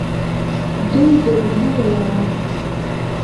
دوی ګړندي ولاړل.